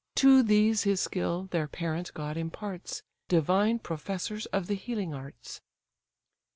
To these his skill their parent god imparts, Divine professors of the healing arts.